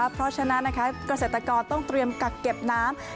เพราะฉะนั้นเกษตรกรต้องเตรียมกักเก็บน้ำ